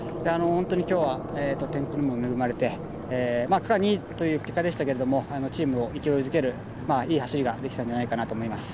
今日は天候にも恵まれて区間２位という結果でしたけどチームを勢いづけるいい走りができたんじゃないかなと思います。